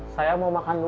saya mau makan dulu